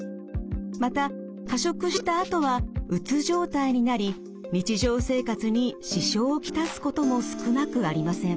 また過食したあとはうつ状態になり日常生活に支障を来すことも少なくありません。